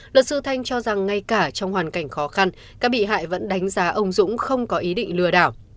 luật sư thanh cho rằng ngay cả trong hoàn cảnh khó khăn các bị hại vẫn đánh giá ông dũng không có ý định lừa đảo